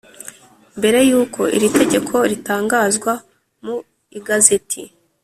mbere yuko iri tegeko ritangazwa mu Igazeti